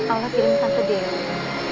allah kirim tante dewi